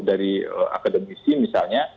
dari akademisi misalnya